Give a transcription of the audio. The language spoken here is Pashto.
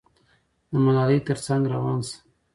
د ملالۍ تر څنګ روان شه.